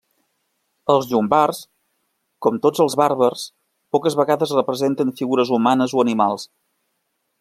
Els llombards, com tots els bàrbars, poques vegades representen figures humanes o animals.